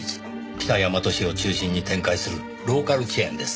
北大和市を中心に展開するローカルチェーンです。